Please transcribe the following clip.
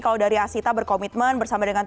kalau dari asita berkomitmen bersama dengan